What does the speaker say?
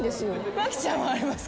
麻貴ちゃんはありますか？